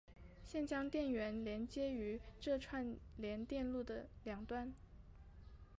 现将电源连接于这串联电路的两端。